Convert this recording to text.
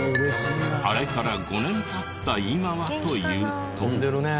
あれから５年経った今はというと。